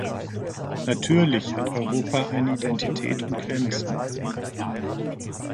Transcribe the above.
Natürlich hat Europa eine Identität und Grenzen.